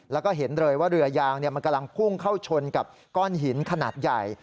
แล้วก็เห็นเลยว่าเรือยางมันกำลังพุ่งเข้าชนกับก้อนหินขนาดใหญ่